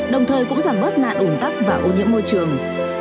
đồng thời cũng giảm bớt nạn ủng tắc và ô nhiễm môi trường